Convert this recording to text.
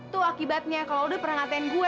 itu akibatnya kalau lo udah pernah ngatain gue